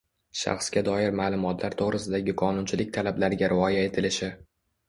shaxsga doir ma’lumotlar to‘g‘risidagi qonunchilik talablariga rioya etilishi